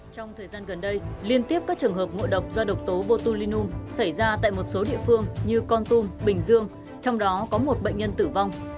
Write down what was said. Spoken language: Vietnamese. trong thời gian gần đây liên tiếp các trường hợp ngộ độc do độc tố botulinum xảy ra tại một số địa phương như con tum bình dương trong đó có một bệnh nhân tử vong